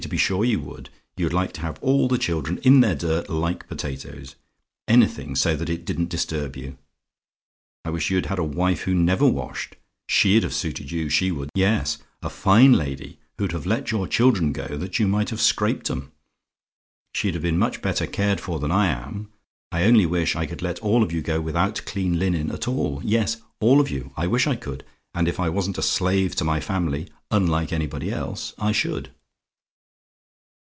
To be sure you would you'd like to have all the children in their dirt, like potatoes: anything, so that it didn't disturb you. I wish you'd had a wife who never washed SHE'D have suited you, she would. Yes; a fine lady who'd have let your children go that you might have scraped 'em. She'd have been much better cared for than I am. I only wish I could let all of you go without clean linen at all yes, all of you. I wish I could! And if I wasn't a slave to my family, unlike anybody else, I should.